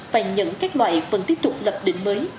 vàng nhẫn các loại vẫn tiếp tục lập đỉnh mới